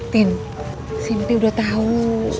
tine si nitya udah tahu